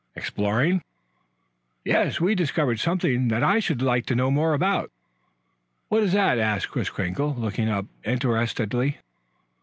"Exploring?" "Yes. We discovered something that I should like to know more about." "What is that?" asked Kris Kringle, looking up interestedly.